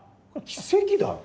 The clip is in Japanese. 奇跡だろ。